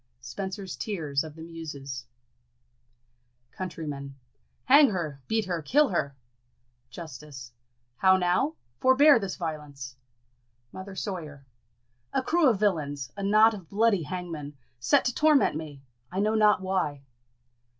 Spencer's Tears of the Muses. Countrymen. Hang her! beat her! kill her! Justice. How now? Forbear this violence! Mother Sawyer. A crew of villains a knot of bloody hangmen! set to torment me! I know not why.